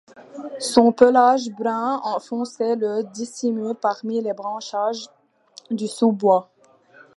Son pelage brun foncé le dissimule parmi les branchages du sous-bois.